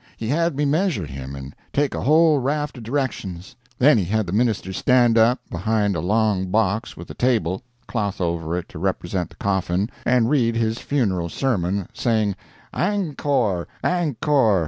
He had me measure him and take a whole raft of directions; then he had the minister stand up behind a long box with a table cloth over it, to represent the coffin, and read his funeral sermon, saying 'Angcore, angcore!'